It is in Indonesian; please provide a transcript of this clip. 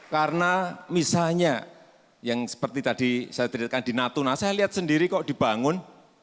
karena misalnya yang seperti tadi saya teritakan di natuna saya lihat sendiri kok dibangun